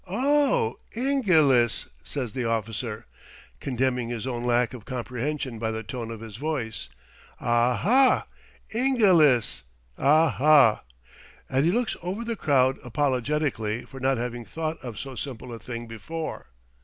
"Oh, I n g i l i s!" says the officer, condemning his own lack of comprehension by the tone of his voice. "Aha, I n g i l i s, aha!" and he looks over the crowd apologetically for not having thought of so simple a thing before.